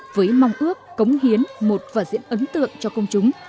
với mong ước cống hiến một vở diễn ấn tượng cho công chúng